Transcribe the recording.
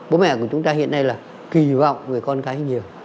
bố mẹ của chúng ta hiện nay là kỳ vọng người con cái nhiều